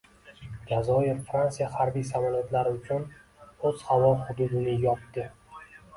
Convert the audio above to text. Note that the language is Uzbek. Jazoyir Fransiya harbiy samolyotlari uchun o‘z havo hududini yopdi